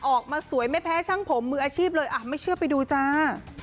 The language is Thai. ออกมาสวยไม่แพ้ช่างผมมืออาชีพเลยอ่ะไม่เชื่อไปดูจ้า